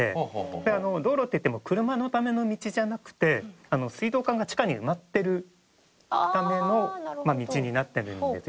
「道路っていっても車のための道じゃなくて水道管が地下に埋まってるための道になってるんです」